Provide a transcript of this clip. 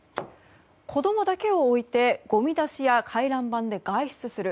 子供だけを置いてごみ出しや回覧板で外出する。